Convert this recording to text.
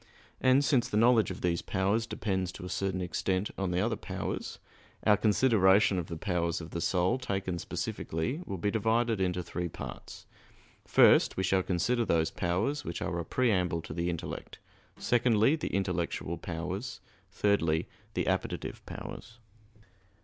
And since the knowledge of these powers depends to a certain extent on the other powers, our consideration of the powers of the soul taken specifically will be divided into three parts: first, we shall consider those powers which are a preamble to the intellect; secondly, the intellectual powers; thirdly, the appetitive powers.